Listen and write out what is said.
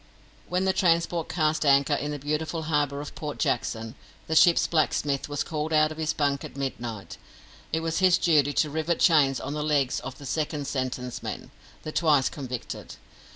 When the transport cast anchor in the beautiful harbour of Port Jackson, the ship's blacksmith was called out of his bunk at midnight. It was his duty to rivet chains on the legs of the second sentence men the twice convicted.